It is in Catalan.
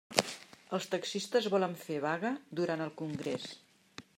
Els taxistes volen fer vaga durant el congrés.